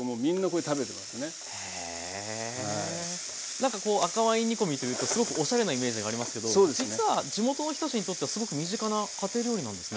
なんかこう赤ワイン煮込みというとすごくおしゃれなイメージがありますけど実は地元の人たちにとってはすごく身近な家庭料理なんですね。